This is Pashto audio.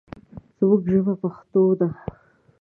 زموږ ژبه پښتو ده.